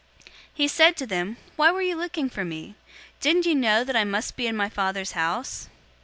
002:049 He said to them, "Why were you looking for me? Didn't you know that I must be in my Father's house?"